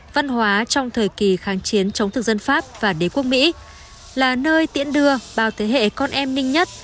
văn hóa trong thời kỳ kháng chiến chống thực dân pháp và đế quốc mỹ là nơi tiễn đưa bao thế hệ con em ninh nhất